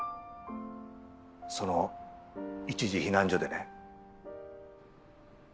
その一時避難所でね。